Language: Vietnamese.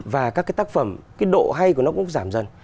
và các cái tác phẩm cái độ hay của nó cũng giảm dần